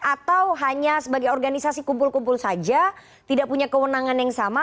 atau hanya sebagai organisasi kumpul kumpul saja tidak punya kewenangan yang sama